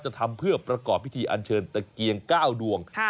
ทำเพื่อประกอบพิธีอันเชิญตะเกียง๙ดวง